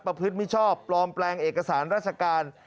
พฤติมิชชอบปลอมแปลงเอกสารราชการ